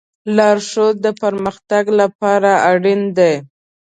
لارښود د پرمختګ لپاره اړین دی.